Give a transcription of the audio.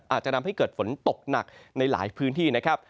อาจจะทำให้เกิดฝนตกหนักในหลายพื้นที่นะครับ